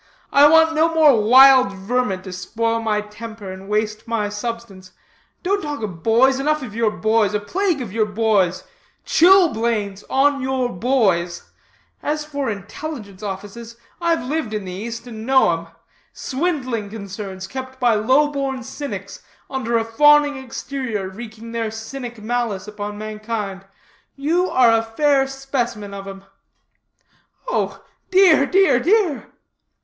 I want no more wild vermin to spoil my temper and waste my substance. Don't talk of boys; enough of your boys; a plague of your boys; chilblains on your boys! As for Intelligence Offices, I've lived in the East, and know 'em. Swindling concerns kept by low born cynics, under a fawning exterior wreaking their cynic malice upon mankind. You are a fair specimen of 'em." "Oh dear, dear, dear!"